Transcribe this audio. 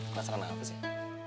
penasaran apa sih